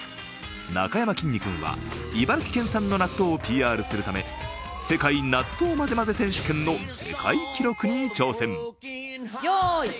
なかやまきんに君は、茨城県産の納豆をＰＲするため世界納豆まぜまぜ選手権の世界記録に挑戦。